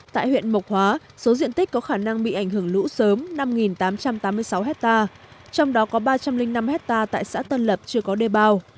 tại huyện mộc hóa số diện tích có khả năng bị ảnh hưởng lũ sớm năm tám trăm tám mươi sáu hectare trong đó có ba trăm linh năm hectare tại xã tân lập chưa có đề bao